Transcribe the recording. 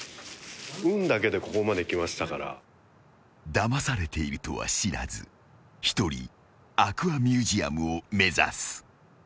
［だまされているとは知らず一人アクアミュージアムを目指す］